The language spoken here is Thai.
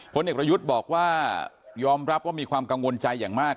ผลเอกประยุทธ์บอกว่ายอมรับว่ามีความกังวลใจอย่างมาก